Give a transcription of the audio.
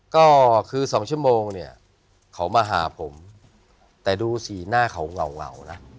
ก็คือ๒ชั่วโมงเนี่ยเขามาหาผมแต่ดูสีหน้าเขาเหงานะ